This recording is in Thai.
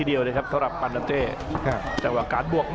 อัศวินาศาสตร์อัศวินาศาสตร์